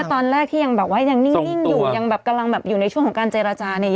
ตอนแรกที่ยังแบบว่ายังนิ่งอยู่ยังแบบกำลังแบบอยู่ในช่วงของการเจรจาเนี่ย